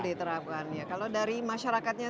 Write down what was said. diterapkan kalau dari masyarakatnya